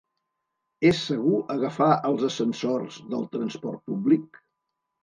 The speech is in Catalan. És segur agafar els ascensors del transport públic?